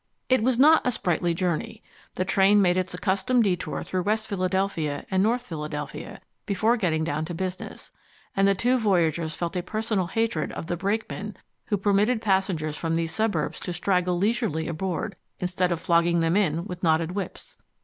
It was not a sprightly journey. The train made its accustomed detour through West Philadelphia and North Philadelphia before getting down to business, and the two voyagers felt a personal hatred of the brakemen who permitted passengers from these suburbs to straggle leisurely aboard instead of flogging them in with knotted whips.